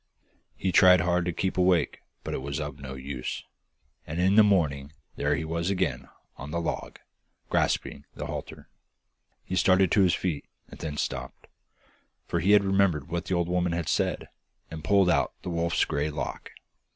He tried hard to keep awake, but it was of no use, and in the morning there he was again on the log, grasping the halter. He started to his feet, and then stopped, for he remembered what the old woman had said, and pulled out the wolf's grey lock.